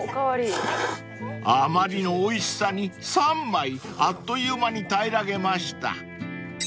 ［あまりのおいしさに３枚あっという間に平らげました］